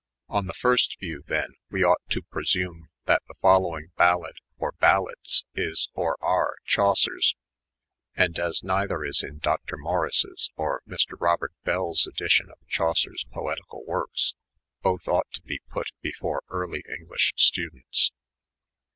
" On the first view, then, we ought to presume that the following; Balade (or Balades) is (or are) Chaucer's ; and, as neither is in Dr. Morris's or Mr. Kobert Bell's edition of Chaucer's Poetical Works, both ought to be put before Early English students."